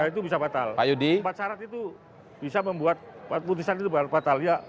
itu bisa batal empat syarat itu bisa membuat putusan itu batalya